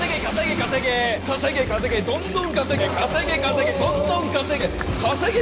稼げ稼げどんどん稼げ稼げ稼げどんどん稼げ！